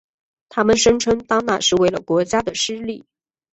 他们声称当那是为了国家的私利。